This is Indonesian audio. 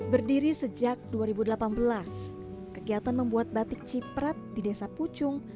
berdiri sejak dua ribu delapan belas kegiatan membuat batik ciprat di desa pucung